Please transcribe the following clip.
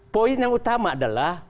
poin yang utama adalah